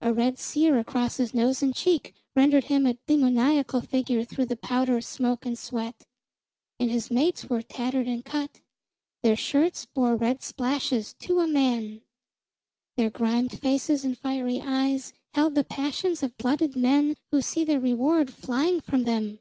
A red sear across his nose and cheek rendered him a demoniacal figure through the powder, smoke and sweat. And his mates were tattered and cut, their shirts bore red splashes to a man; their grimed faces and fiery eyes held the passions of blooded men who see their reward flying from them.